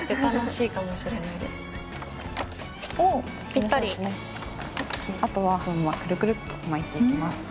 ぴったりあとはそのままくるくるっと巻いていきます。